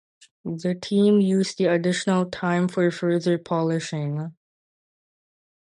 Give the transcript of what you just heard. The team used the additional time for further polishing.